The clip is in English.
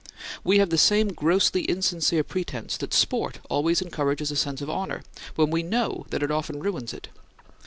We have the same grossly insincere pretense that sport always encourages a sense of honor, when we know that it often ruins it.